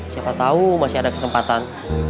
siapa tahu masih ada kesempatan